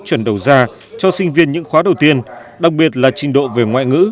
chuẩn đầu ra cho sinh viên những khóa đầu tiên đặc biệt là trình độ về ngoại ngữ